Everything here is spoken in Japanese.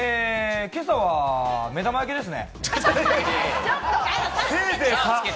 今朝は目玉焼きですね。